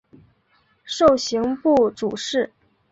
授刑部主事。